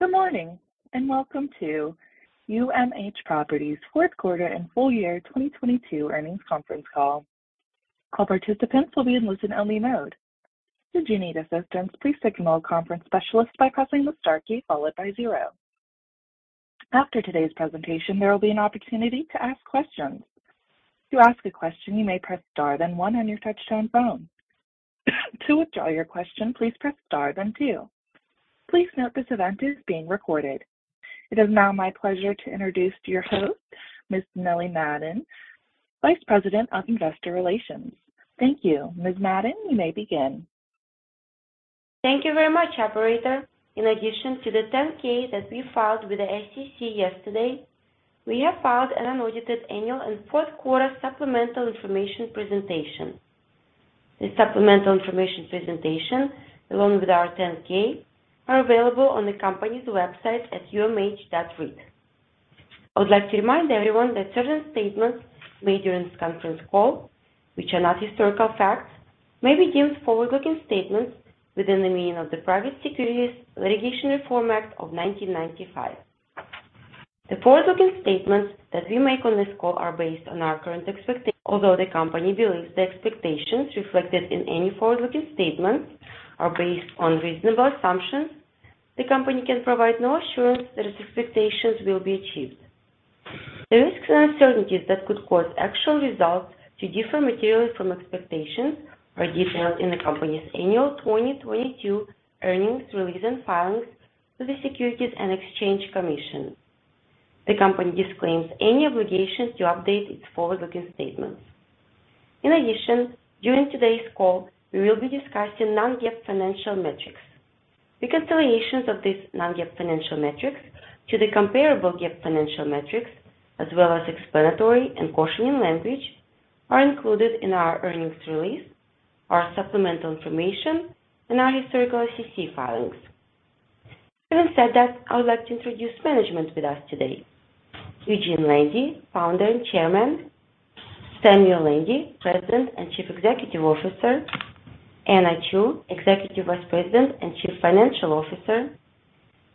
Good morning, welcome to UMH Properties fourth quarter and full-year 2022 earnings conference call. All participants will be in listen only mode. If you need assistance, please signal conference specialist by pressing the star key followed by zero. After today's presentation, there will be an opportunity to ask questions. To ask a question, you may press star then one on your touch-tone phone. To withdraw your question, please press star then two. Please note this event is being recorded. It is now my pleasure to introduce your host, Ms. Nelli Madden, Vice President of Investor Relations. Thank you. Ms. Madden, you may begin. Thank you very much, operator. In addition to the 10-K that we filed with the SEC yesterday, we have filed an unaudited annual and fourth-quarter supplemental information presentation. The supplemental information presentation, along with our 10-K, are available on the company's website at umh.reit. I would like to remind everyone that certain statements made during this conference call, which are not historical facts, may be deemed forward-looking statements within the meaning of the Private Securities Litigation Reform Act of 1995. The forward-looking statements that we make on this call are based on our current expectations, although the company believes the expectations reflected in any forward-looking statements are based on reasonable assumptions, the company can provide no assurance that its expectations will be achieved. The risks and uncertainties that could cause actual results to differ materially from expectations are detailed in the company's annual 2022 earnings release and filings with the Securities and Exchange Commission. The company disclaims any obligation to update its forward-looking statements. In addition, during today's call, we will be discussing non-GAAP financial metrics. Reconciliations of these non-GAAP financial metrics to the comparable GAAP financial metrics, as well as explanatory and cautioning language, are included in our earnings release, our supplemental information, and our historical SEC filings. Having said that, I would like to introduce management with us today. Eugene Landy, Founder and Chairman. Samuel Landy, President and Chief Executive Officer. Anna Chew, Executive Vice President and Chief Financial Officer.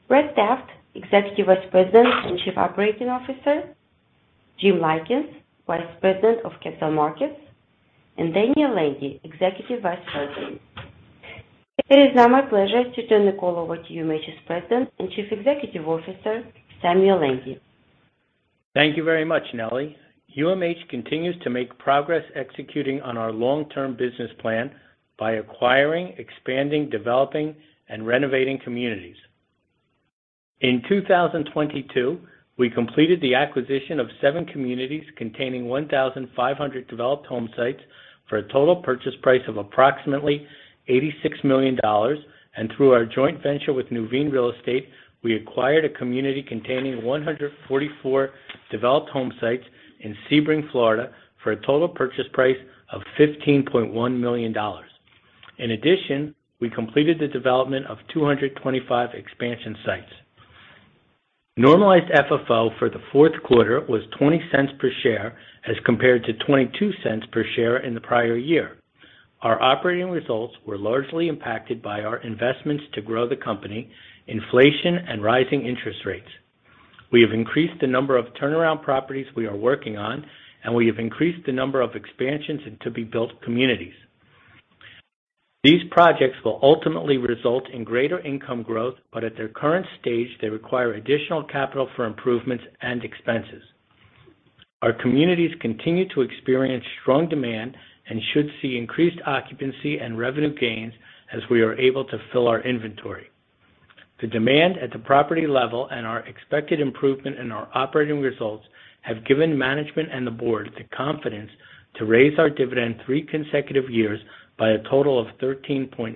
Brett Taft, Executive Vice President and Chief Operating Officer. Jim Lykins, Vice President of Capital Markets. Daniel Landy, Executive Vice President. It is now my pleasure to turn the call over to UMH's President and Chief Executive Officer, Samuel Landy. Thank you very much, Nelli. UMH continues to make progress executing on our long-term business plan by acquiring, expanding, developing, and renovating communities. In 2022, we completed the acquisition of seven communities containing 1,500 developed home sites for a total purchase price of approximately $86 million. Through our joint venture with Nuveen Real Estate, we acquired a community containing 144 developed home sites in Sebring, Florida, for a total purchase price of $15.1 million. In addition, we completed the development of 225 expansion sites. Normalized FFO for the fourth quarter was $0.20 per share as compared to $0.22 per share in the prior year. Our operating results were largely impacted by our investments to grow the company, inflation, and rising interest rates. We have increased the number of turnaround properties we are working on, and we have increased the number of expansions in to-be-built communities. These projects will ultimately result in greater income growth, but at their current stage, they require additional capital for improvements and expenses. Our communities continue to experience strong demand and should see increased occupancy and revenue gains as we are able to fill our inventory. The demand at the property level and our expected improvement in our operating results have given management and the board the confidence to raise our dividend three consecutive years by a total of 13.9%.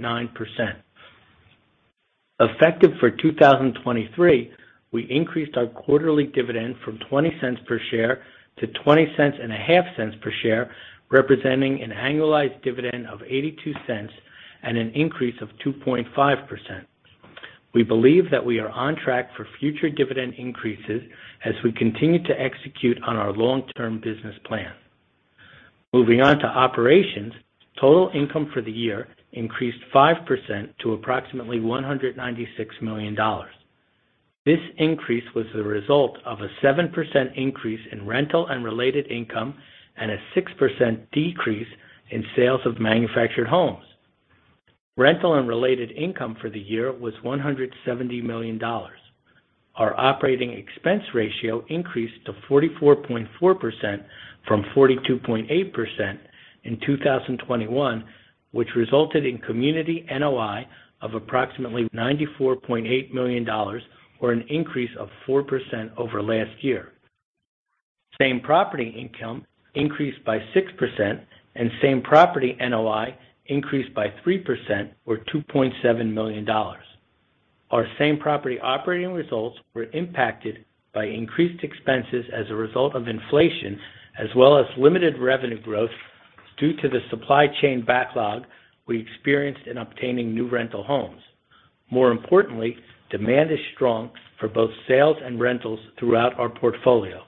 Effective for 2023, we increased our quarterly dividend from $0.20 per share to $0.205 per share, representing an annualized dividend of $0.82 and an increase of 2.5%. We believe that we are on track for future dividend increases as we continue to execute on our long-term business plan. Moving on to operations. Total income for the year increased 5% to approximately $196 million. This increase was the result of a 7% increase in rental and related income and a 6% decrease in sales of manufactured homes. Rental and related income for the year was $170 million. Our operating expense ratio increased to 44.4% from 42.8% in 2021, which resulted in community NOI of approximately $94.8 million or an increase of 4% over last year. Same property income increased by 6% and same property NOI increased by 3% or $2.7 million. Our same property operating results were impacted by increased expenses as a result of inflation as well as limited revenue growth due to the supply chain backlog we experienced in obtaining new rental homes. More importantly, demand is strong for both sales and rentals throughout our portfolio.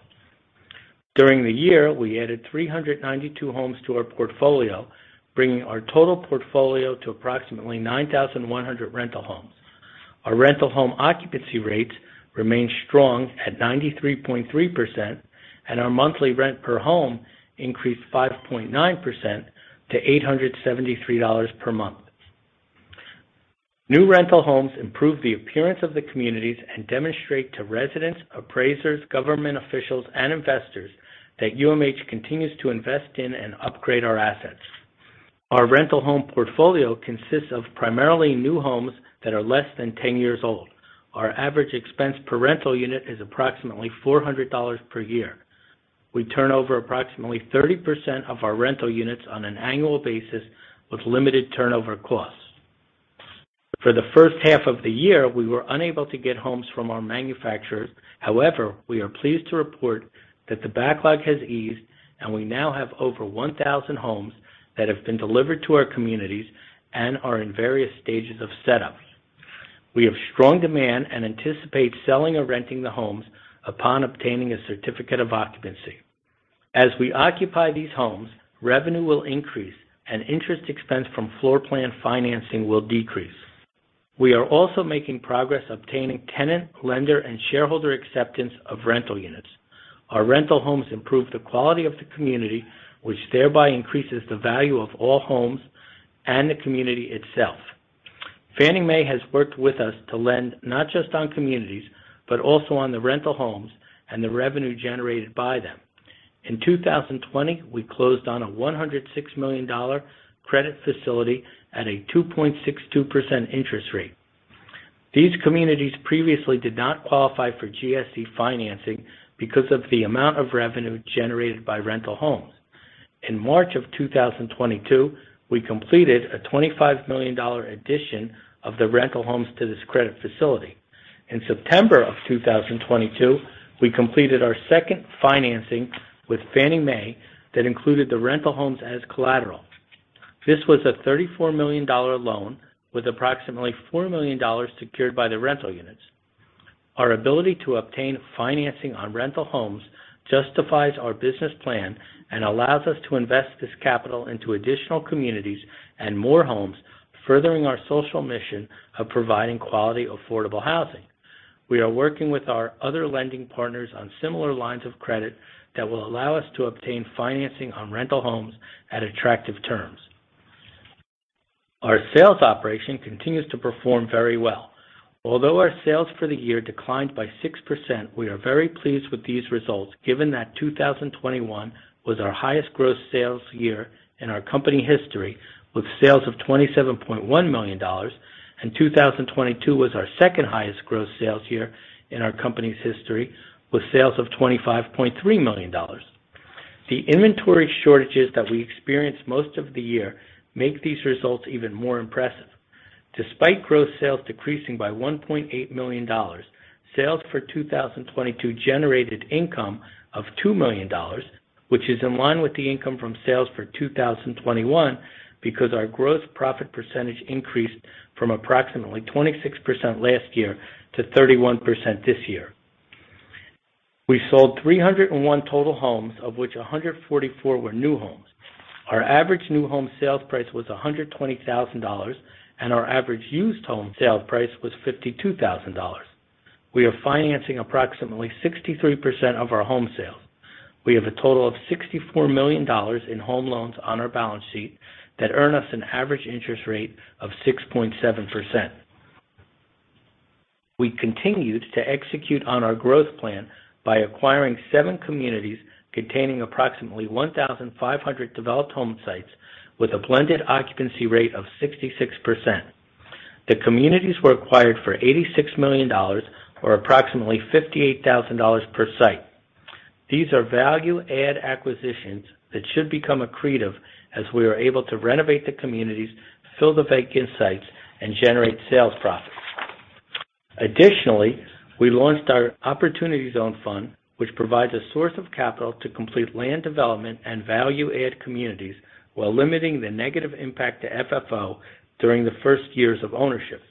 During the year, we added 392 homes to our portfolio, bringing our total portfolio to approximately 9,100 rental homes. Our rental home occupancy rates remain strong at 93.3%, and our monthly rent per home increased 5.9% to $873 per month. New rental homes improve the appearance of the communities and demonstrate to residents, appraisers, government officials, and investors that UMH continues to invest in and upgrade our assets. Our rental home portfolio consists of primarily new homes that are less than 10 years old. Our average expense per rental unit is approximately $400 per year. We turn over approximately 30% of our rental units on an annual basis with limited turnover costs. For the first half of the year, we were unable to get homes from our manufacturers. We are pleased to report that the backlog has eased, and we now have over 1,000 homes that have been delivered to our communities and are in various stages of setup. We have strong demand and anticipate selling or renting the homes upon obtaining a certificate of occupancy. As we occupy these homes, revenue will increase and interest expense from floor plan financing will decrease. We are also making progress obtaining tenant, lender, and shareholder acceptance of rental units. Our rental homes improve the quality of the community, which thereby increases the value of all homes and the community itself. Fannie Mae has worked with us to lend not just on communities, but also on the rental homes and the revenue generated by them. In 2020, we closed on a $106 million credit facility at a 2.62% interest rate. These communities previously did not qualify for GSE financing because of the amount of revenue generated by rental homes. In March of 2022, we completed a $25 million addition of the rental homes to this credit facility. In September of 2022, we completed our second financing with Fannie Mae that included the rental homes as collateral. This was a $34 million loan with approximately $4 million secured by the rental units. Our ability to obtain financing on rental homes justifies our business plan and allows us to invest this capital into additional communities and more homes, furthering our social mission of providing quality, affordable housing. We are working with our other lending partners on similar lines of credit that will allow us to obtain financing on rental homes at attractive terms. Our sales operation continues to perform very well. Although our sales for the year declined by 6%, we are very pleased with these results given that 2021 was our highest gross sales year in our company history with sales of $27.1 million, and 2022 was our second highest gross sales year in our company's history with sales of $25.3 million. The inventory shortages that we experienced most of the year make these results even more impressive. Despite gross sales decreasing by $1.8 million, sales for 2022 generated income of $2 million, which is in line with the income from sales for 2021, because our gross profit percentage increased from approximately 26% last year to 31% this year. We sold 301 total homes, of which 144 were new homes. Our average new home sales price was $120,000, and our average used home sales price was $52,000. We are financing approximately 63% of our home sales. We have a total of $64 million in home loans on our balance sheet that earn us an average interest rate of 6.7%. We continued to execute on our growth plan by acquiring seven communities containing approximately 1,500 developed home sites with a blended occupancy rate of 66%. The communities were acquired for $86 million or approximately $58,000 per site. These are value add acquisitions that should become accretive as we are able to renovate the communities, fill the vacant sites, and generate sales profits. We launched our Opportunity Zone Fund, which provides a source of capital to complete land development and value add communities while limiting the negative impact to FFO during the first years of ownership.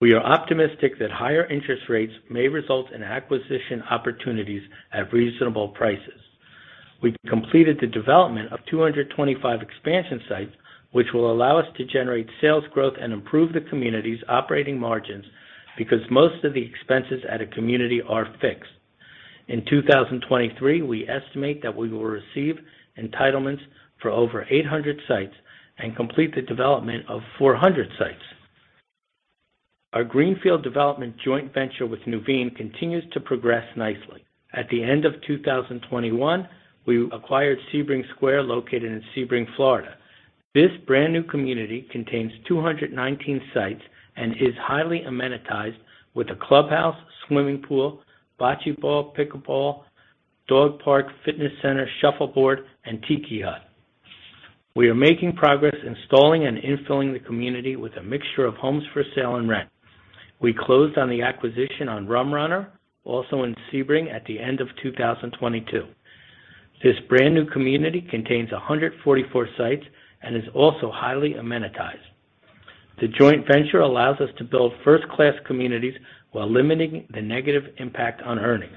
We are optimistic that higher interest rates may result in acquisition opportunities at reasonable prices. We completed the development of 225 expansion sites, which will allow us to generate sales growth and improve the community's operating margins because most of the expenses at a community are fixed. In 2023, we estimate that we will receive entitlements for over 800 sites and complete the development of 400 sites. Our greenfield development joint venture with Nuveen continues to progress nicely. At the end of 2021, we acquired Sebring Square, located in Sebring, Florida. This brand new community contains 219 sites and is highly amenitized with a clubhouse, swimming pool, bocce ball, pickleball, dog park, fitness center, shuffleboard, and tiki hut. We are making progress installing and infilling the community with a mixture of homes for sale and rent. We closed on the acquisition on Rum Runner, also in Sebring, at the end of 2022. This brand new community contains 144 sites and is also highly amenitized. The joint venture allows us to build first-class communities while limiting the negative impact on earnings.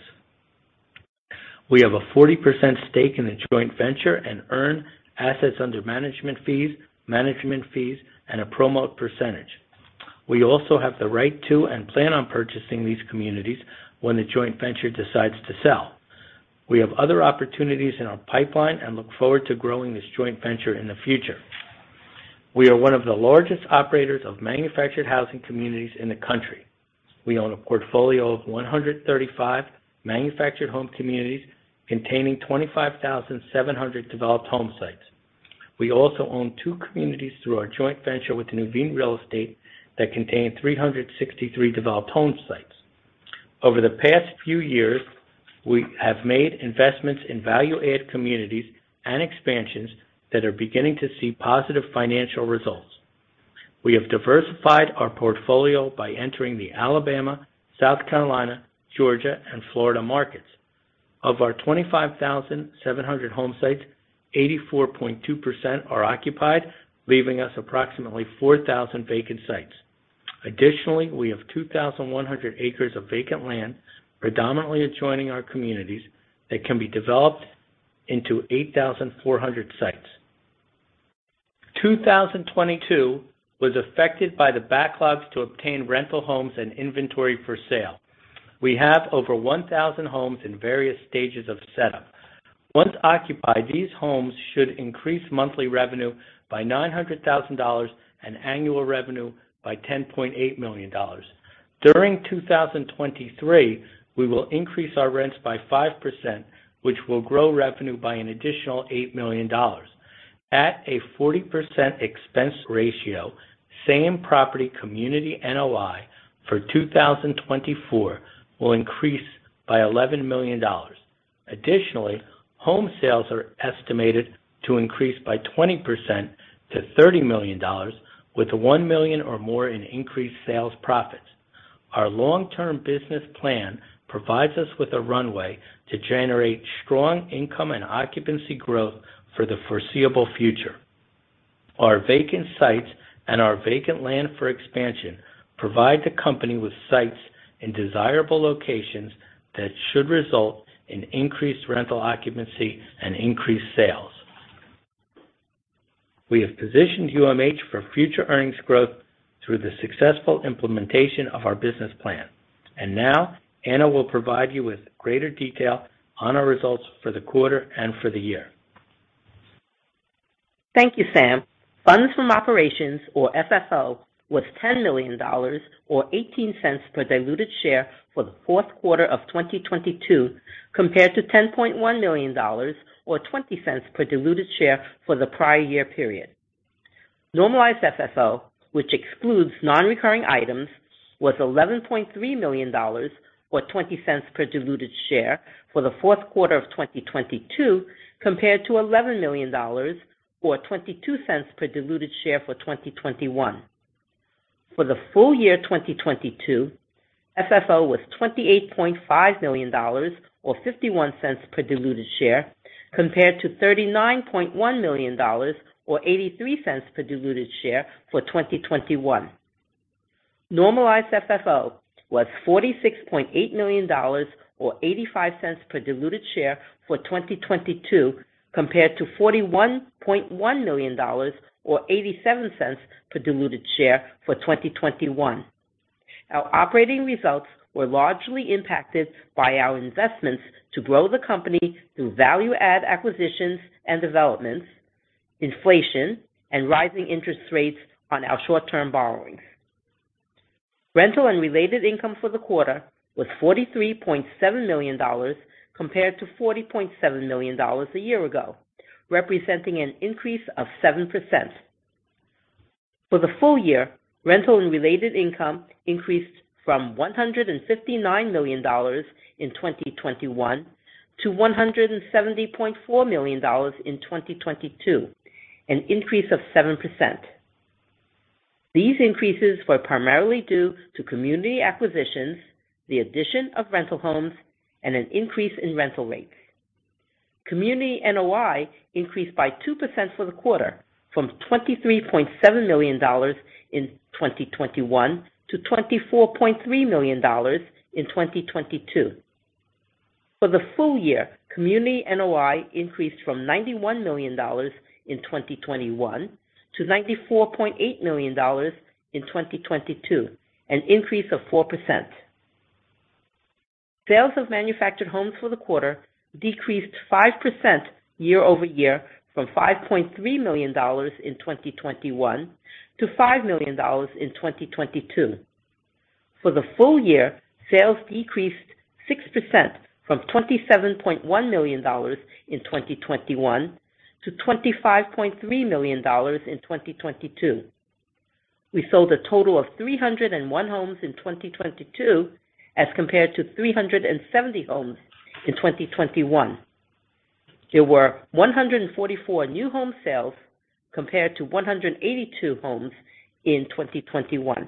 We have a 40% stake in the joint venture and earn assets under management fees, management fees, and a promote percentage. We also have the right to and plan on purchasing these communities when the joint venture decides to sell. We have other opportunities in our pipeline and look forward to growing this joint venture in the future. We are one of the largest operators of manufactured housing communities in the country. We own a portfolio of 135 manufactured home communities containing 25,700 developed home sites. We also own two communities through our joint venture with Nuveen Real Estate that contain 363 developed home sites. Over the past few years, we have made investments in value-add communities and expansions that are beginning to see positive financial results. We have diversified our portfolio by entering the Alabama, South Carolina, Georgia, and Florida markets. Of our 25,700 home sites, 84.2% are occupied, leaving us approximately 4,000 vacant sites. Additionally, we have 2,100 acres of vacant land predominantly adjoining our communities that can be developed into 8,400 sites. 2022 was affected by the backlogs to obtain rental homes and inventory for sale. We have over 1,000 homes in various stages of setup. Once occupied, these homes should increase monthly revenue by $900,000 and annual revenue by $10.8 million. During 2023, we will increase our rents by 5%, which will grow revenue by an additional $8 million. At a 40% expense ratio, same property community NOI for 2024 will increase by $11 million. Home sales are estimated to increase by 20% to $30 million, with $1 million or more in increased sales profits. Our long-term business plan provides us with a runway to generate strong income and occupancy growth for the foreseeable future. Our vacant sites and our vacant land for expansion provide the company with sites in desirable locations that should result in increased rental occupancy and increased sales. We have positioned UMH for future earnings growth through the successful implementation of our business plan. Now Anna will provide you with greater detail on our results for the quarter and for the year. Thank you, Sam. Funds from operations or FFO was $10 million, or $0.18 per diluted share for the fourth quarter of 2022, compared to $10.1 million or $0.20 per diluted share for the prior year period. Normalized FFO, which excludes non-recurring items, was $11.3 million or $0.20 per diluted share for the fourth quarter of 2022, compared to $11 million or $0.22 per diluted share for 2021. For the full-year 2022, FFO was $28.5 million or $0.51 per diluted share, compared to $39.1 million or $0.83 per diluted share for 2021. Normalized FFO was $46.8 million or $0.85 per diluted share for 2022, compared to $41.1 million or $0.87 per diluted share for 2021. Our operating results were largely impacted by our investments to grow the company through value-add acquisitions and developments, inflation, and rising interest rates on our short-term borrowings. Rental and related income for the quarter was $43.7 million compared to $40.7 million a year ago, representing an increase of 7%. For the full-year, rental and related income increased from $159 million in 2021 to $170.4 million in 2022, an increase of 7%. These increases were primarily due to community acquisitions, the addition of rental homes, and an increase in rental rates. Community NOI increased by 2% for the quarter from $23.7 million in 2021 to $24.3 million in 2022. For the full-year, community NOI increased from $91 million in 2021 to $94.8 million in 2022, an increase of 4%. Sales of manufactured homes for the quarter decreased 5% year-over-year from $5.3 million in 2021 to $5 million in 2022. For the full-year, sales decreased 6% from $27.1 million in 2021 to $25.3 million in 2022. We sold a total of 301 homes in 2022 as compared to 370 homes in 2021. There were 144 new home sales compared to 182 homes in 2021.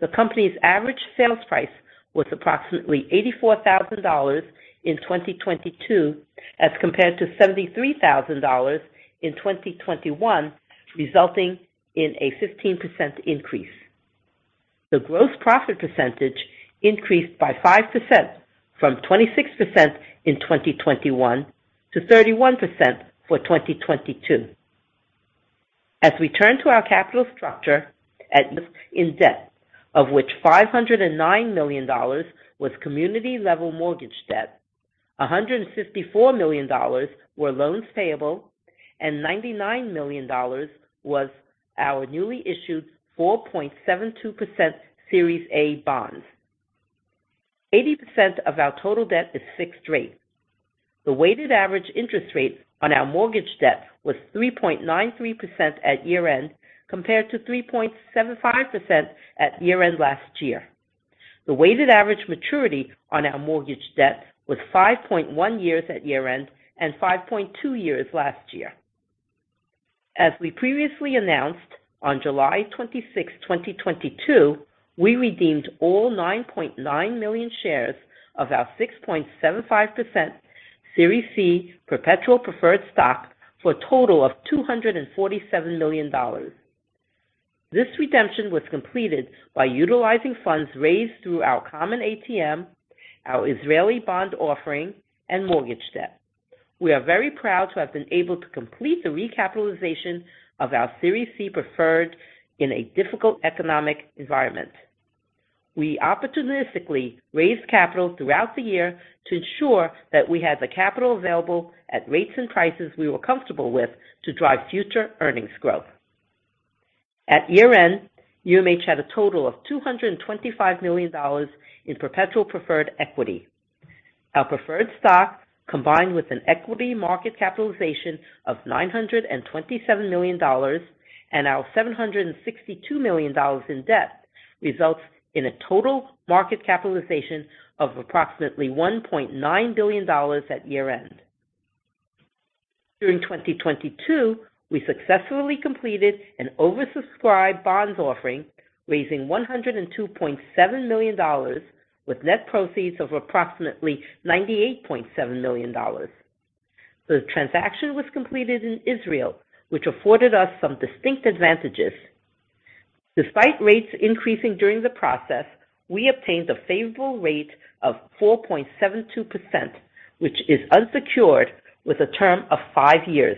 The company's average sales price was approximately $84,000 in 2022 as compared to $73,000 in 2021, resulting in a 15% increase. The gross profit percentage increased by 5% from 26% in 2021 to 31% for 2022. As we turn to our capital structure at in debt, of which $509 million was community level mortgage debt, $154 million were loans payable, and $99 million was our newly issued 4.72% Series A bonds. 80% of our total debt is fixed rate. The weighted average interest rate on our mortgage debt was 3.93% at year-end, compared to 3.75% at year-end last year. The weighted average maturity on our mortgage debt was 5.1 years at year-end and 5.2 years last year. As we previously announced on July 26, 2022, we redeemed all 9.9 million shares of our 6.75% Series C perpetual preferred stock for a total of $247 million. This redemption was completed by utilizing funds raised through our common ATM, our Israeli bond offering, and mortgage debt. We are very proud to have been able to complete the recapitalization of our Series C preferred in a difficult economic environment. We opportunistically raised capital throughout the year to ensure that we had the capital available at rates and prices we were comfortable with to drive future earnings growth. At year-end, UMH had a total of $225 million in perpetual preferred equity. Our preferred stock, combined with an equity market capitalization of $927 million and our $762 million in debt, results in a total market capitalization of approximately $1.9 billion at year-end. During 2022, we successfully completed an oversubscribed bonds offering, raising $102.7 million with net proceeds of approximately $98.7 million. The transaction was completed in Israel, which afforded us some distinct advantages. Despite rates increasing during the process, we obtained a favorable rate of 4.72%, which is unsecured with a term of five years.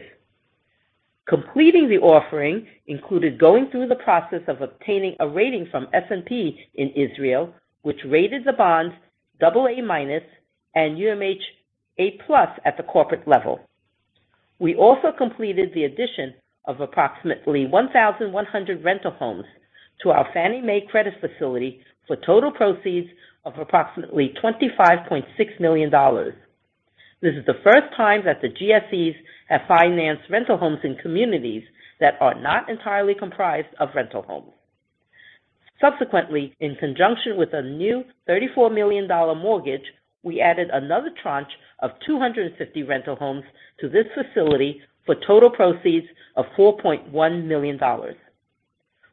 Completing the offering included going through the process of obtaining a rating from S&P in Israel, which rated the bonds AA- and UMH A+ at the corporate level. We also completed the addition of approximately 1,100 rental homes to our Fannie Mae credit facility for total proceeds of approximately $25.6 million. This is the first time that the GSEs have financed rental homes in communities that are not entirely comprised of rental homes. Subsequently, in conjunction with a new $34 million mortgage, we added another tranche of 250 rental homes to this facility for total proceeds of $4.1 million.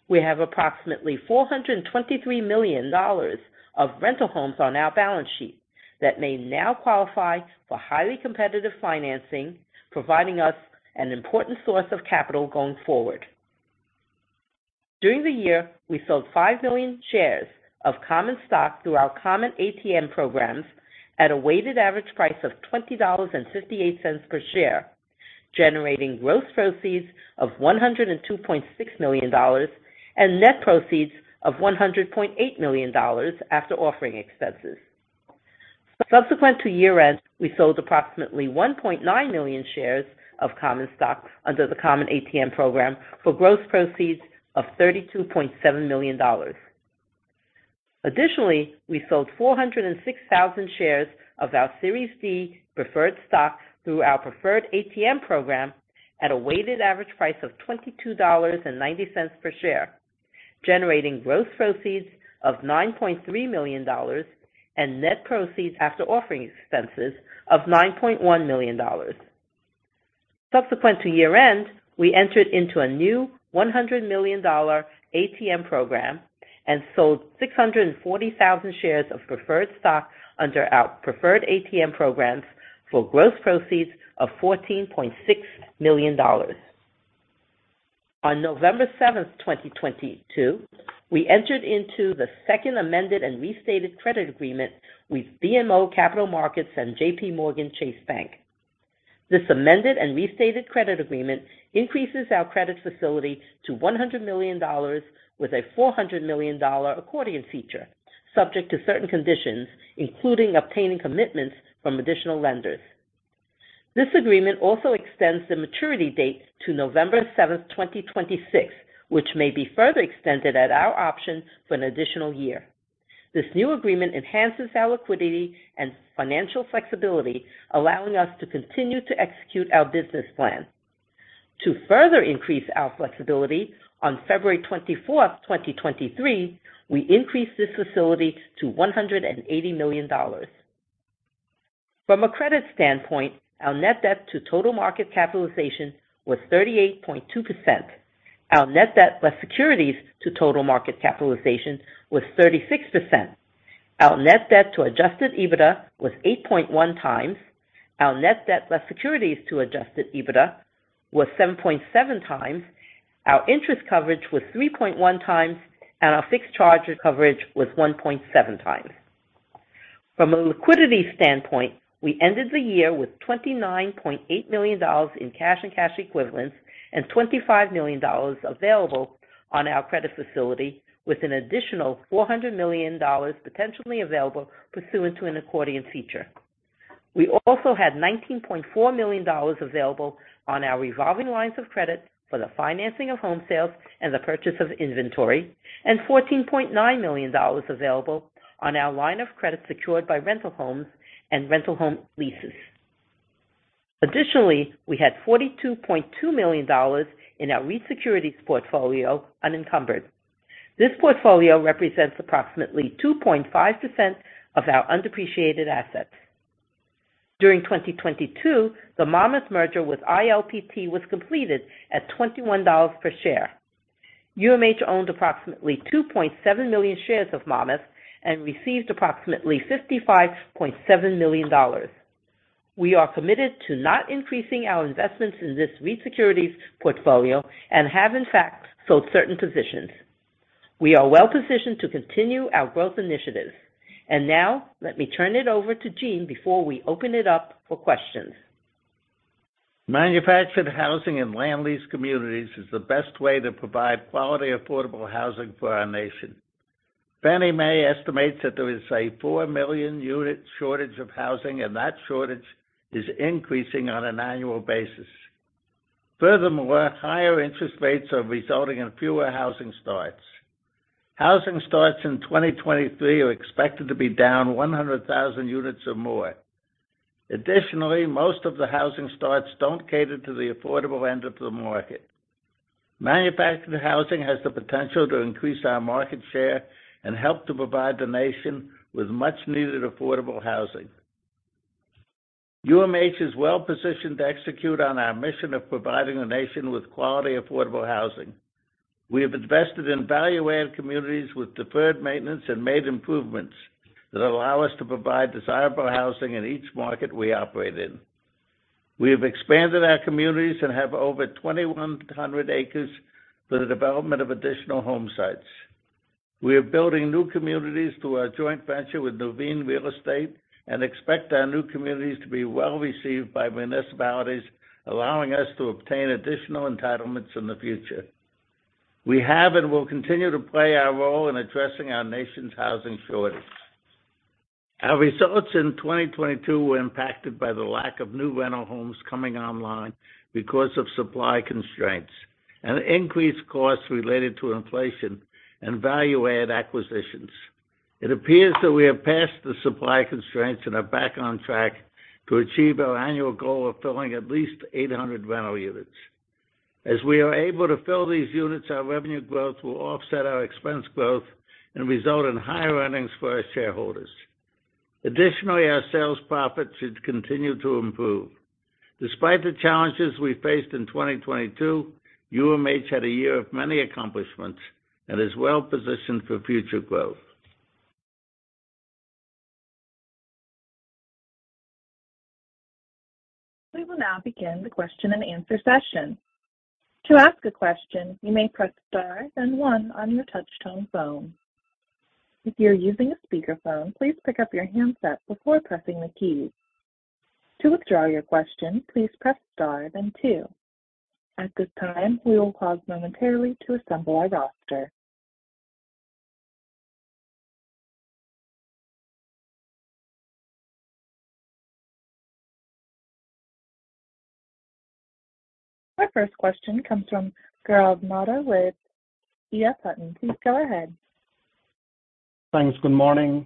We have approximately $423 million of rental homes on our balance sheet that may now qualify for highly competitive financing, providing us an important source of capital going forward. During the year, we sold five million shares of common stock through our common ATM programs at a weighted average price of $20.58 per share, generating gross proceeds of $102.6 million and net proceeds of $100.8 million after offering expenses. Subsequent to year-end, we sold approximately 1.9 million shares of common stock under the common ATM program for gross proceeds of $32.7 million. We sold 406,000 shares of our Series D preferred stock through our preferred ATM program at a weighted average price of $22.90 per share, generating gross proceeds of $9.3 million and net proceeds after offering expenses of $9.1 million. Subsequent to year-end, we entered into a new $100 million ATM program and sold 640,000 shares of preferred stock under our preferred ATM programs for gross proceeds of $14.6 million. On November 7, 2022, we entered into the second amended and restated credit agreement with BMO Capital Markets and JPMorganChase Bank. This amended and restated credit agreement increases our credit facility to $100 million with a $400 million accordion feature subject to certain conditions, including obtaining commitments from additional lenders. This agreement also extends the maturity date to November 7th, 2026, which may be further extended at our option for an additional year. This new agreement enhances our liquidity and financial flexibility, allowing us to continue to execute our business plan. To further increase our flexibility, on February 24th, 2023, we increased this facility to $180 million. From a credit standpoint, our net debt to total market capitalization was 38.2%. Our net debt plus securities to total market capitalization was 36%. Our net debt to adjusted EBITDA was 8.1x. Our net debt plus securities to adjusted EBITDA was 7.7x. Our interest coverage was 3.1x, and our fixed charge coverage was 1.7x. From a liquidity standpoint, we ended the year with $29.8 million in cash and cash equivalents and $25 million available on our credit facility, with an additional $400 million potentially available pursuant to an accordion feature. We also had $19.4 million available on our revolving lines of credit for the financing of home sales and the purchase of inventory, and $14.9 million available on our line of credit secured by rental homes and rental home leases. We had $42.2 million in our REIT securities portfolio unencumbered. This portfolio represents approximately 2.5% of our undepreciated assets. During 2022, the Monmouth merger with ILPT was completed at $21 per share. UMH owned approximately 2.7 million shares of Monmouth and received approximately $55.7 million. We are committed to not increasing our investments in this REIT securities portfolio and have, in fact, sold certain positions. We are well-positioned to continue our growth initiatives. Now let me turn it over to Gene before we open it up for questions. Manufactured housing and land lease communities is the best way to provide quality, affordable housing for our nation. Fannie Mae estimates that there is a four million unit shortage of housing, that shortage is increasing on an annual basis. Furthermore, higher interest rates are resulting in fewer housing starts. Housing starts in 2023 are expected to be down 100,000 units or more. Additionally, most of the housing starts don't cater to the affordable end of the market. Manufactured housing has the potential to increase our market share and help to provide the nation with much needed affordable housing. UMH is well-positioned to execute on our mission of providing the nation with quality, affordable housing. We have invested in value-add communities with deferred maintenance and made improvements that allow us to provide desirable housing in each market we operate in. We have expanded our communities and have over 2,100 acres for the development of additional home sites. We are building new communities through our joint venture with Nuveen Real Estate. We expect our new communities to be well received by municipalities, allowing us to obtain additional entitlements in the future. We have and will continue to play our role in addressing our nation's housing shortage. Our results in 2022 were impacted by the lack of new rental homes coming online because of supply constraints and increased costs related to inflation and value-add acquisitions. It appears that we have passed the supply constraints and are back on track to achieve our annual goal of filling at least 800 rental units. As we are able to fill these units, our revenue growth will offset our expense growth and result in higher earnings for our shareholders. Additionally, our sales profit should continue to improve. Despite the challenges we faced in 2022, UMH had a year of many accomplishments and is well-positioned for future growth. We will now begin the question and answer session. To ask a question, you may press star then one on your touch-tone phone. If you're using a speakerphone, please pick up your handset before pressing the key. To withdraw your question, please press star then two. At this time, we will pause momentarily to assemble our roster. Our first question comes from Gaurav Mehta with EF Hutton. Please go ahead. Thanks. Good morning.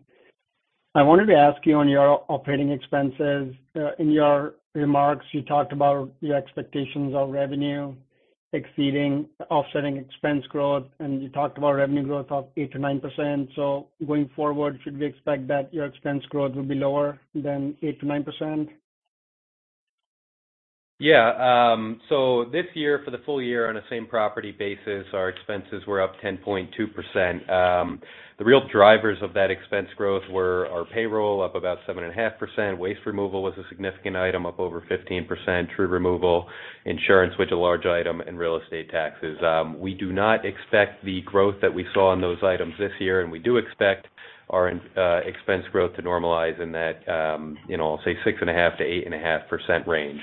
I wanted to ask you on your operating expenses. In your remarks, you talked about the expectations of revenue exceeding offsetting expense growth, and you talked about revenue growth of 8% to 9%. Going forward, should we expect that your expense growth will be lower than 8% to 9%? This year, for the full-year on a same property basis, our expenses were up 10.2%. The real drivers of that expense growth were our payroll, up about 7.5%. Waste removal was a significant item, up over 15%. Tree removal, insurance, which a large item, and real estate taxes. We do not expect the growth that we saw in those items this year, and we do expect our expense growth to normalize in that, you know, say, 6.5%-8.5% range.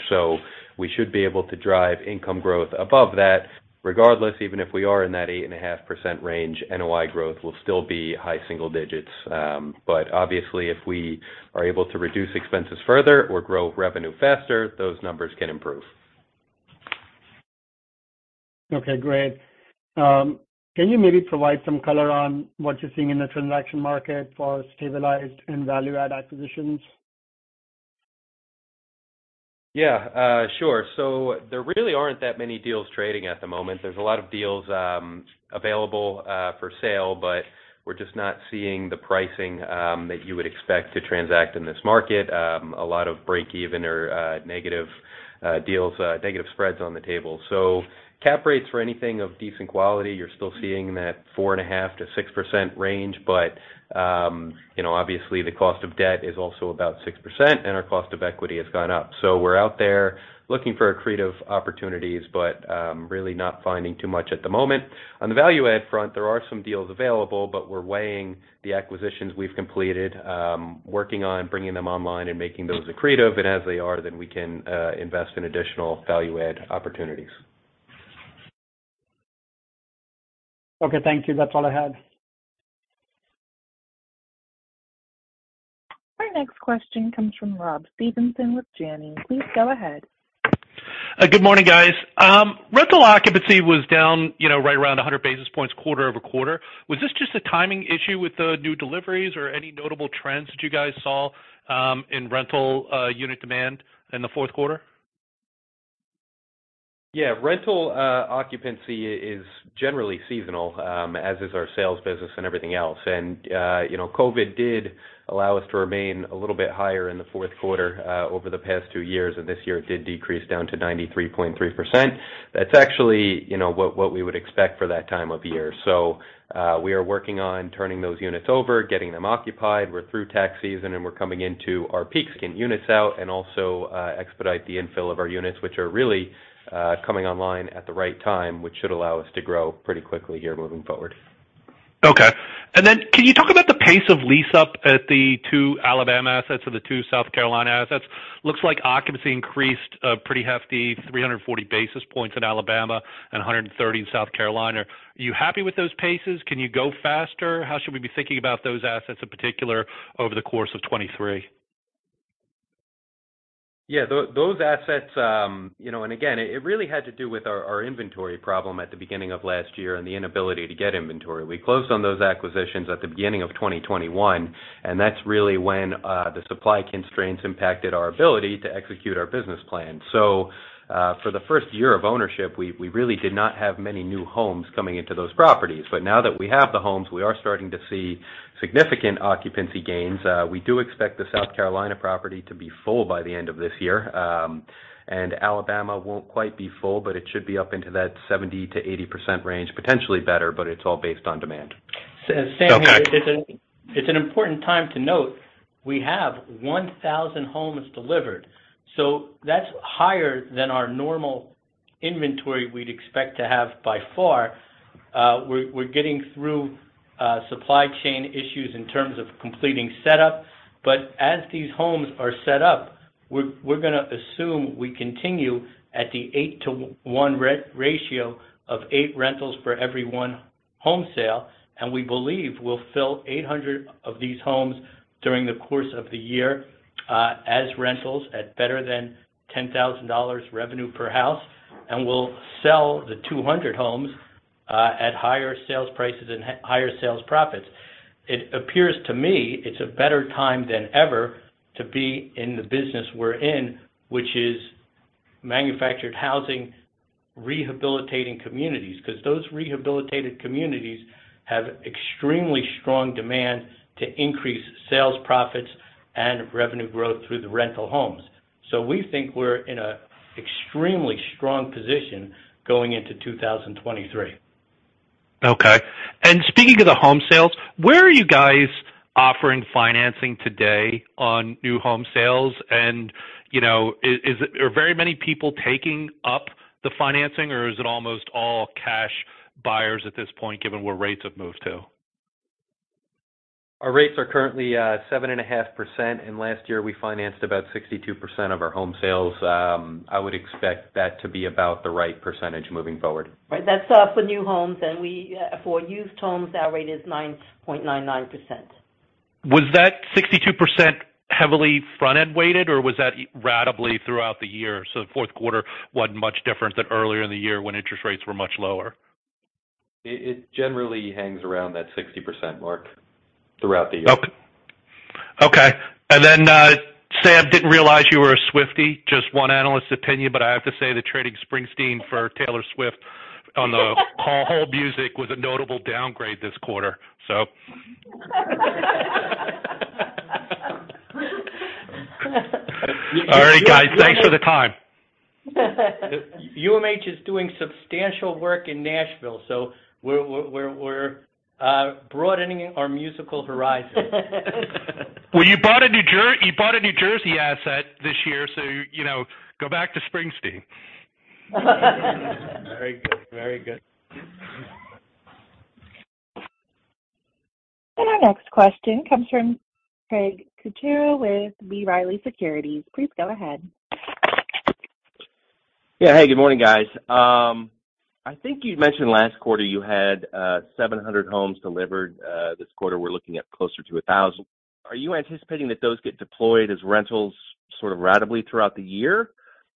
We should be able to drive income growth above that. Regardless, even if we are in that 8.5% range, NOI growth will still be high single digits. Obviously, if we are able to reduce expenses further or grow revenue faster, those numbers can improve. Okay, great. Can you maybe provide some color on what you're seeing in the transaction market for stabilized and value add acquisitions? Yeah, sure. There really aren't that many deals trading at the moment. There's a lot of deals available for sale, but we're just not seeing the pricing that you would expect to transact in this market. A lot of break-even or negative deals, negative spreads on the table. Cap rates for anything of decent quality, you're still seeing that 4.5%-6% range. You know, obviously the cost of debt is also about 6%, and our cost of equity has gone up. We're out there looking for accretive opportunities, but really not finding too much at the moment. On the value add front, there are some deals available, but we're weighing the acquisitions we've completed, working on bringing them online and making those accretive. As they are, then we can invest in additional value add opportunities. Okay, thank you. That's all I had. Our next question comes from Rob Stevenson with Janney. Please go ahead. Good morning, guys. Rental occupancy was down, you know, right around 100 basis points quarter-over-quarter. Was this just a timing issue with the new deliveries or any notable trends that you guys saw in rental unit demand in the fourth quarter? Yeah. Rental occupancy is generally seasonal, as is our sales business and everything else. You know, COVID did allow us to remain a little bit higher in the fourth quarter over the past two years, and this year it did decrease down to 93.3%. That's actually, you know, what we would expect for that time of year. We are working on turning those units over, getting them occupied. We're through tax season, and we're coming into our peak skin units out and also, expedite the infill of our units, which are really coming online at the right time, which should allow us to grow pretty quickly here moving forward. Okay. Can you talk about the pace of lease-up at the two Alabama assets or the two South Carolina assets? Looks like occupancy increased a pretty hefty 340 basis points in Alabama and 130 in South Carolina. Are you happy with those paces? Can you go faster? How should we be thinking about those assets in particular over the course of 2023? Yeah. Those assets, you know. Again, it really had to do with our inventory problem at the beginning of last year and the inability to get inventory. We closed on those acquisitions at the beginning of 2021, that's really when the supply constraints impacted our ability to execute our business plan. For the first year of ownership, we really did not have many new homes coming into those properties. Now that we have the homes, we are starting to see significant occupancy gains. We do expect the South Carolina property to be full by the end of this year. Alabama won't quite be full, but it should be up into that 70%-80% range, potentially better, but it's all based on demand. Okay. It's Sam here, it's an important time to note we have 1,000 homes delivered, so that's higher than our normal inventory we'd expect to have by far. We're getting through supply chain issues in terms of completing setup. As these homes are set up, we're gonna assume we continue at the 8:1 ratio of eight rentals for every one home sale. We believe we'll fill 800 of these homes during the course of the year as rentals at better than $10,000 revenue per house. We'll sell the 200 homes at higher sales prices and higher sales profits. It appears to me it's a better time than ever to be in the business we're in, which is manufactured housing, rehabilitating communities, because those rehabilitated communities have extremely strong demand to increase sales profits and revenue growth through the rental homes. We think we're in an extremely strong position going into 2023. Okay. Speaking of the home sales, where are you guys offering financing today on new home sales? You know, are very many people taking up the financing or is it almost all cash buyers at this point, given where rates have moved to? Our rates are currently, 7.5%. Last year we financed about 62% of our home sales. I would expect that to be about the right percentage moving forward. Right. That's for new homes. We, for used homes, our rate is 9.99%. Was that 62% heavily front-end weighted, or was that ratably throughout the year, so the fourth quarter wasn't much different than earlier in the year when interest rates were much lower? It generally hangs around that 60% mark throughout the year. Okay. Then, Sam, didn't realize you were a Swiftie. Just one analyst's opinion, but I have to say that trading Springsteen for Taylor Swift on the call whole music was a notable downgrade this quarter. All right, guys, thanks for the time. UMH is doing substantial work in Nashville, so we're broadening our musical horizons. Well, you bought a New Jersey asset this year, so, you know, go back to Springsteen. Very good. Very good. Our next question comes from Craig Kucera with B. Riley Securities. Please go ahead. Yeah. Hey, good morning, guys. I think you mentioned last quarter you had 700 homes delivered. This quarter we're looking at closer to 1,000. Are you anticipating that those get deployed as rentals sort of ratably throughout the year,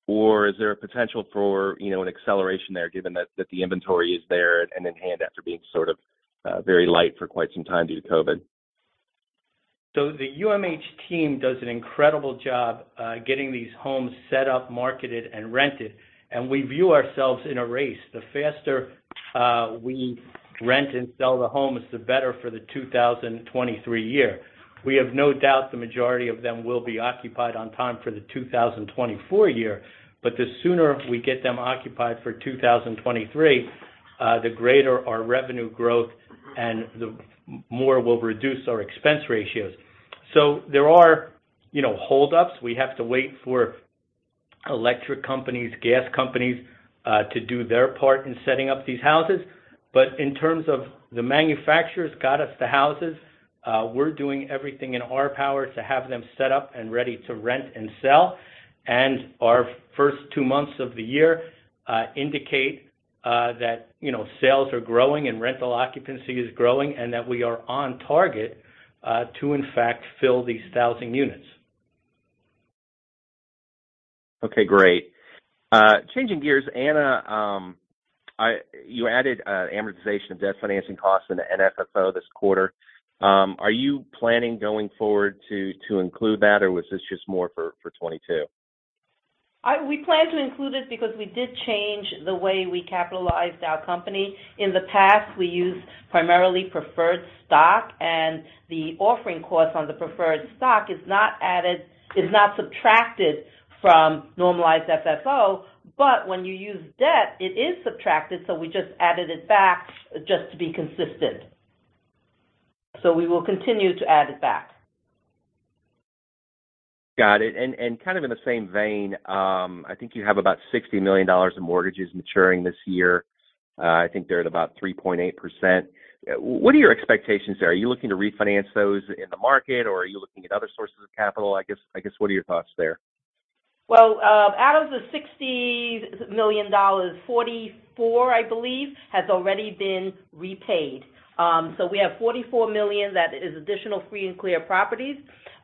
or is there a potential for, you know, an acceleration there, given that the inventory is there and in hand after being sort of very light for quite some time due to COVID? The UMH team does an incredible job getting these homes set up, marketed, and rented, and we view ourselves in a race. The faster we rent and sell the homes, the better for the 2023 year. We have no doubt the majority of them will be occupied on time for the 2024 year. The sooner we get them occupied for 2023, the greater our revenue growth and the more we'll reduce our expense ratios. There are, you know, hold-ups. We have to wait for electric companies, gas companies to do their part in setting up these houses. In terms of the manufacturers got us the houses, we're doing everything in our power to have them set up and ready to rent and sell. Our first two months of the year, indicate, that, you know, sales are growing and rental occupancy is growing, and that we are on target, to in fact fill these housing units. Okay, great. Changing gears. Anna, you added amortization of debt financing costs in the FFO this quarter. Are you planning going forward to include that, or was this just more for 2022? We plan to include it because we did change the way we capitalized our company. In the past, we used primarily preferred stock, and the offering cost on the preferred stock is not subtracted from normalized FFO. When you use debt, it is subtracted, so we just added it back just to be consistent. We will continue to add it back. Got it. Kind of in the same vein, I think you have about $60 million in mortgages maturing this year. I think they're at about 3.8%. What are your expectations there? Are you looking to refinance those in the market, or are you looking at other sources of capital? I guess, what are your thoughts there? Out of the $60 million, $44 million, I believe, has already been repaid. We have $44 million that is additional free and clear properties.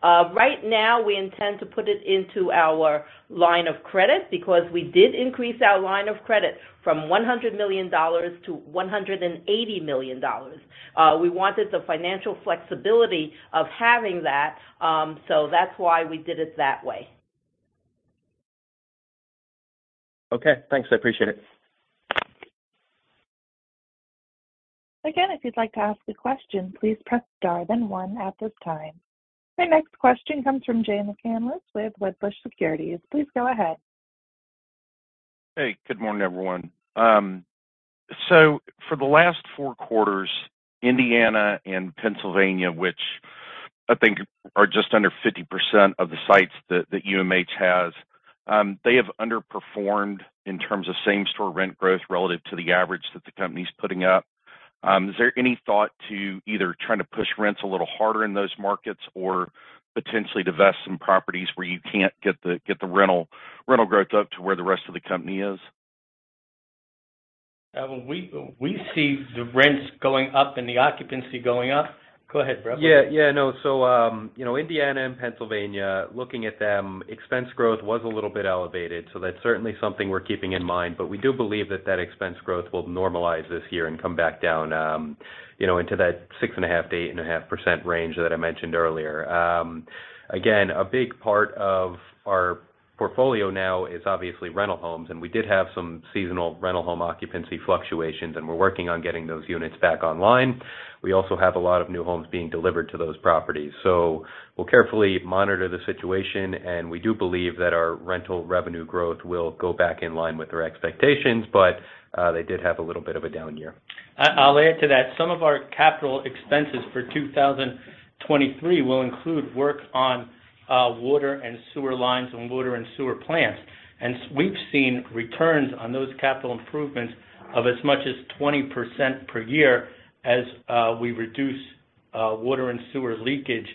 Right now, we intend to put it into our line of credit because we did increase our line of credit from $100 million to $180 million. We wanted the financial flexibility of having that's why we did it that way. Okay. Thanks. I appreciate it. If you'd like to ask a question, please press star then one at this time. Our next question comes from Jay McCanless with Wedbush Securities. Please go ahead. Hey, good morning, everyone. For the last four quarters, Indiana and Pennsylvania, which I think are just under 50% of the sites that UMH has, they have underperformed in terms of same-store rent growth relative to the average that the company's putting up. Is there any thought to either trying to push rents a little harder in those markets or potentially divest some properties where you can't get the rental growth up to where the rest of the company is? We see the rents going up and the occupancy going up. Go ahead, Brett. No. you know, Indiana and Pennsylvania, looking at them, expense growth was a little bit elevated, that's certainly something we're keeping in mind. We do believe that that expense growth will normalize this year and come back down, you know, into that 6.5%-8.5% range that I mentioned earlier. Again, a big part of our portfolio now is obviously rental homes, we did have some seasonal rental home occupancy fluctuations, we're working on getting those units back online. We also have a lot of new homes being delivered to those properties. We'll carefully monitor the situation, we do believe that our rental revenue growth will go back in line with our expectations, but they did have a little bit of a down year. I'll add to that. Some of our capital expenses for 2023 will include work on water and sewer lines and water and sewer plants. We've seen returns on those capital improvements of as much as 20% per year as we reduce water and sewer leakage.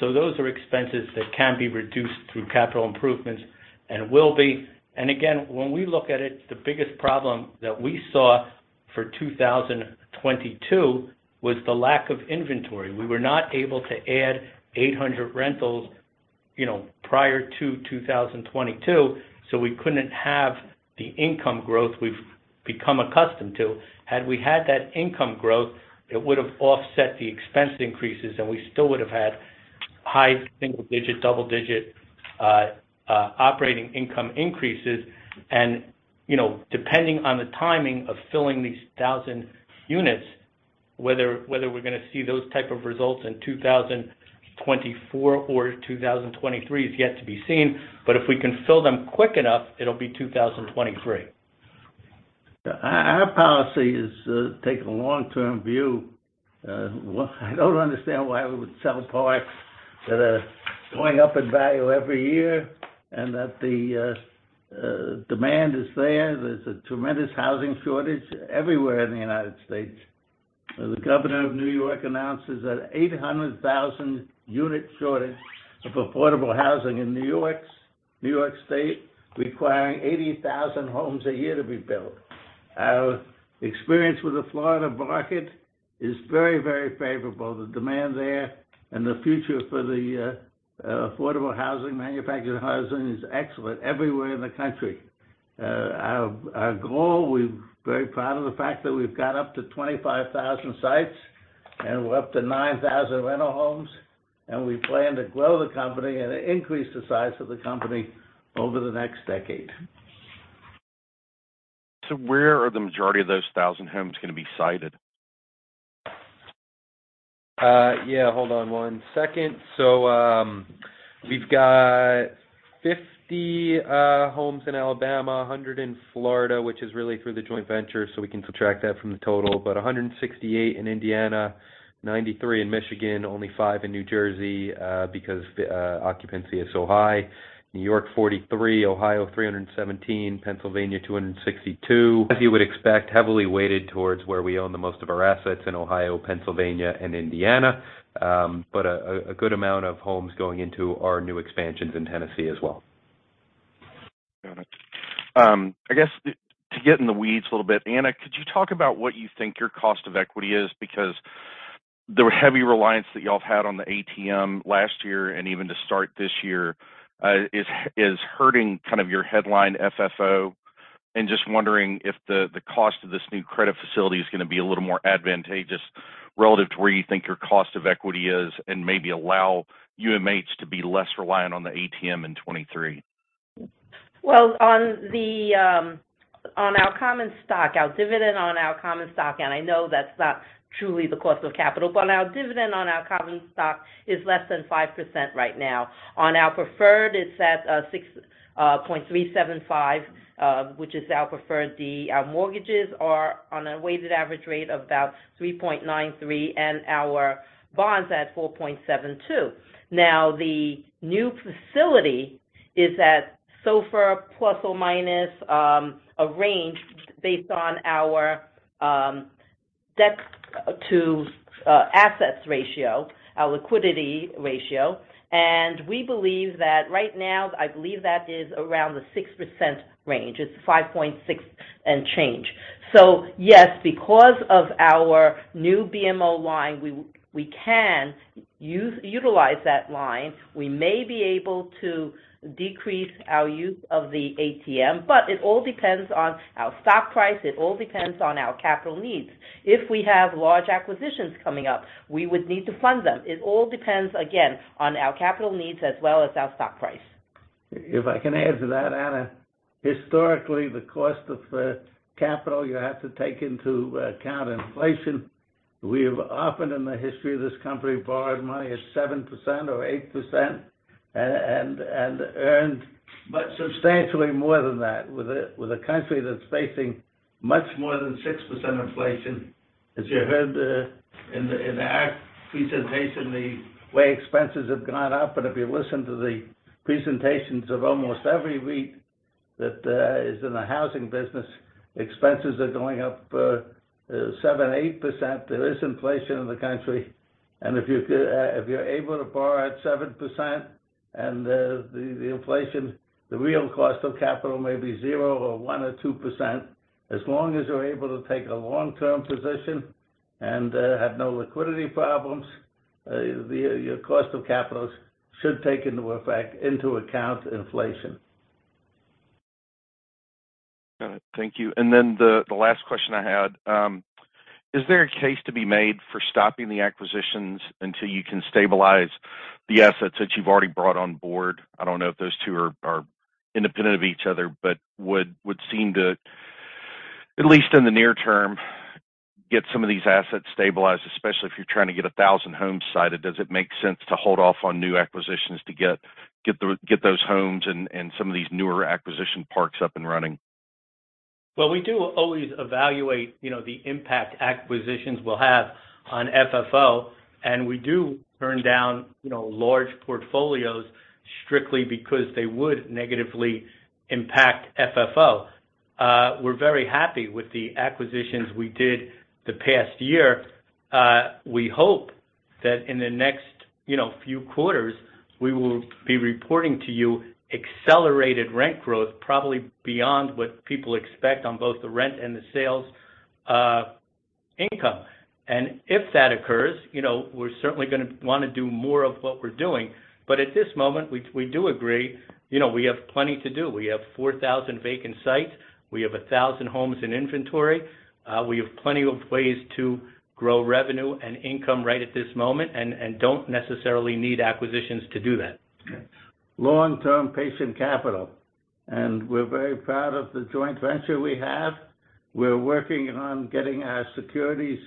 Those are expenses that can be reduced through capital improvements and will be. Again, when we look at it, the biggest problem that we saw for 2022 was the lack of inventory. We were not able to add 800 rentals, you know, prior to 2022, so we couldn't have the income growth we've become accustomed to. Had we had that income growth, it would've offset the expense increases, and we still would've had high single digit, double digit operating income increases. You know, depending on the timing of filling these 1,000 units, whether we're gonna see those type of results in 2024 or 2023 is yet to be seen. If we can fill them quick enough, it'll be 2023. Our policy is to take a long-term view. Well, I don't understand why we would sell parks that are going up in value every year and that the demand is there. There's a tremendous housing shortage everywhere in the United States. The governor of New York announces that 800,000 unit shortage of affordable housing in New York State, requiring 80,000 homes a year to be built. Our experience with the Florida market is very, very favorable. The demand there and the future for the affordable housing, manufactured housing is excellent everywhere in the country. Our goal, we're very proud of the fact that we've got up to 25,000 sites, and we're up to 9,000 rental homes, and we plan to grow the company and increase the size of the company over the next decade. Where are the majority of those 1,000 homes gonna be sited? Yeah, hold on one second. We've got 50 homes in Alabama, 100 in Florida, which is really through the joint venture, so we can subtract that from the total. 168 in Indiana, 93 in Michigan, only five in New Jersey because the occupancy is so high. New York, 43, Ohio, 317, Pennsylvania, 262. As you would expect, heavily weighted towards where we own the most of our assets in Ohio, Pennsylvania, and Indiana. A good amount of homes going into our new expansions in Tennessee as well. Got it. I guess to get in the weeds a little bit. Anna, could you talk about what you think your cost of equity is? Because the heavy reliance that y'all had on the ATM last year and even to start this year, is hurting kind of your headline FFO. Just wondering if the cost of this new credit facility is gonna be a little more advantageous relative to where you think your cost of equity is, and maybe allow UMH to be less reliant on the ATM in 2023. On our common stock, our dividend on our common stock, I know that's not truly the cost of capital, our dividend on our common stock is less than 5% right now. On our preferred, it's at 6.375, which is our preferred. The mortgages are on a weighted average rate of about 3.93, our bond's at 4.72. The new facility is at SOFR plus or minus a range based on our debt to assets ratio, our liquidity ratio. We believe that right now, I believe that is around the 6% range. It's 5.6 and change. Yes, because of our new BMO line, we can utilize that line. We may be able to decrease our use of the ATM. It all depends on our stock price. It all depends on our capital needs. If we have large acquisitions coming up, we would need to fund them. It all depends, again, on our capital needs as well as our stock price. If I can add to that, Anna. Historically, the cost of capital, you have to take into account inflation. We've often in the history of this company, borrowed money at 7% or 8% and earned much substantially more than that. With a, with a country that's facing much more than 6% inflation, as you heard the, in the, in our presentation, the way expenses have gone up, and if you listen to the presentations of almost every week that is in the housing business, expenses are going up, 7%, 8%. There is inflation in the country. If you're able to borrow at 7% and the inflation, the real cost of capital may be 0% or 1% or 2%, as long as you're able to take a long-term position and have no liquidity problems, your cost of capitals should take into effect, into account inflation. Got it. Thank you. The last question I had, is there a case to be made for stopping the acquisitions until you can stabilize the assets that you've already brought on board? I don't know if those two are independent of each other, but would seem to, at least in the near term, get some of these assets stabilized, especially if you're trying to get 1,000 homes sited. Does it make sense to hold off on new acquisitions to get those homes and some of these newer acquisition parks up and running? Well, we do always evaluate, you know, the impact acquisitions will have on FFO, and we do turn down, you know, large portfolios strictly because they would negatively impact FFO. We're very happy with the acquisitions we did the past year. We hope that in the next, you know, few quarters, we will be reporting to you accelerated rent growth, probably beyond what people expect on both the rent and the sales income. If that occurs, you know, we're certainly gonna wanna do more of what we're doing. At this moment, we do agree, you know, we have plenty to do. We have 4,000 vacant sites. We have 1,000 homes in inventory. We have plenty of ways to grow revenue and income right at this moment and don't necessarily need acquisitions to do that. Long-term patient capital. We're very proud of the joint venture we have. We're working on getting our securities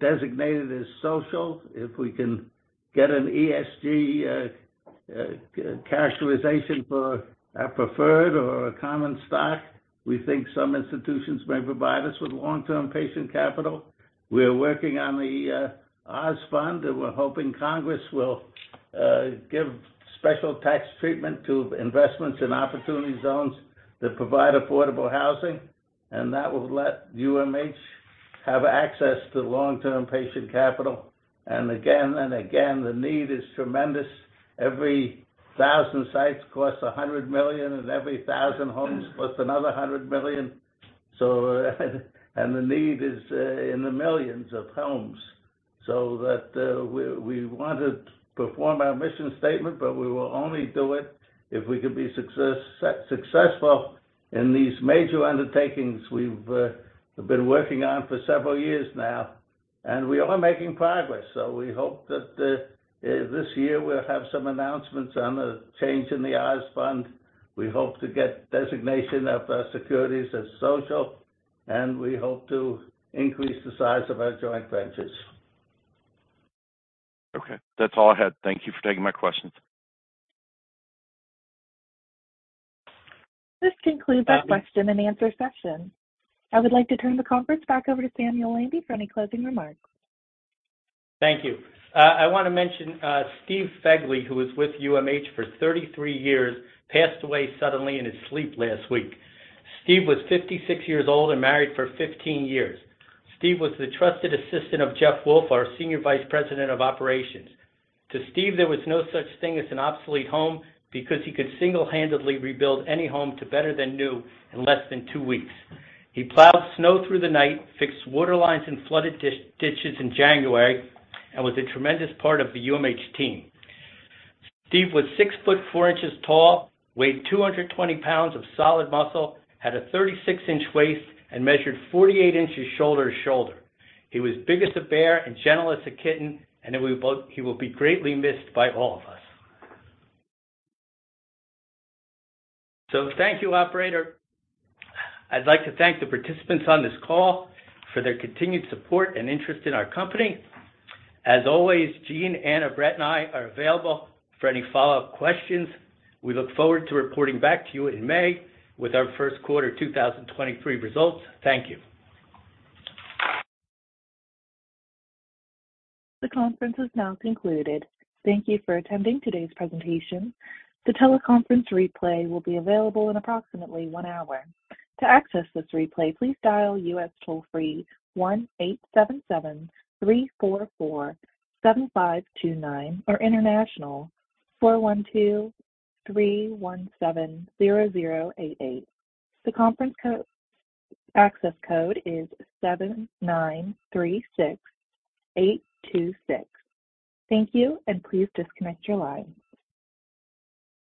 designated as social. If we can get an ESG characterization for our preferred or a common stock, we think some institutions may provide us with long-term patient capital. We're working on the OZ Fund. We're hoping Congress will give special tax treatment to investments in opportunity zones that provide affordable housing, and that will let UMH have access to long-term patient capital. Again, the need is tremendous. Every 1,000 sites costs $100 million, and every 1,000 homes costs another $100 million. And the need is in the millions of homes. That we want to perform our mission statement, but we will only do it if we can be successful in these major undertakings we've been working on for several years now, and we are making progress. We hope that this year we'll have some announcements on the change in the OZ Fund. We hope to get designation of our securities as social, and we hope to increase the size of our joint ventures. Okay, that's all I had. Thank you for taking my questions. This concludes our question and answer session. I would like to turn the conference back over to Samuel Landy for any closing remarks. Thank you. I want to mention, Steve Fegley, who was with UMH for 33 years, passed away suddenly in his sleep last week. Steve was 56 years old and married for 15 years. Steve was the trusted assistant of Jeff Wolfe, our Senior Vice President of Operations. To Steve, there was no such thing as an obsolete home because he could single-handedly rebuild any home to better than new in less than two weeks. He plowed snow through the night, fixed water lines in flooded ditches in January, and was a tremendous part of the UMH team. Steve was 6 ft, 4 in tall, weighed 220 lbs of solid muscle, had a 36 in waist, and measured 48 in shoulder to shoulder. He was big as a bear and gentle as a kitten, and he will be greatly missed by all of us. Thank you, operator. I'd like to thank the participants on this call for their continued support and interest in our company. As always, Gene, Anna, Brett, and I are available for any follow-up questions. We look forward to reporting back to you in May with our first quarter 2023 results. Thank you. The conference is now concluded. Thank you for attending today's presentation. The teleconference replay will be available in approximately 1 hour. To access this replay, please dial US toll-free 1-877-344-7529 or international 412-317-0088. Access code is 7936826. Thank you, and please disconnect your line.